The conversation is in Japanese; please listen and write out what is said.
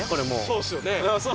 そうですよね。